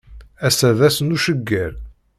Ass-a d ass n ucegger.